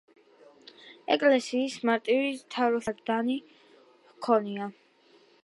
ეკლესიას მარტივი, თაროსებრი ლავგარდანი ჰქონია.